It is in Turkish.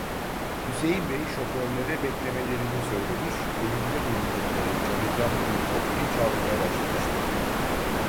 Hüseyin bey şoförlere beklemelerini söylemiş, önünde bulundukları camekânlı bir kapıyı çalmaya başlamıştı.